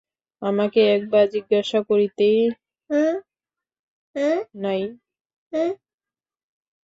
আমাকে একবার জিজ্ঞাসা করিতেও নাই?